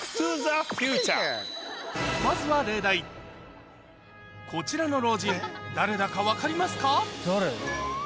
まずはこちらの老人誰だか分かりますか？